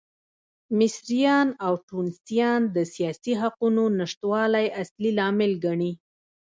مصریان او ټونسیان د سیاسي حقونو نشتوالی اصلي لامل ګڼي.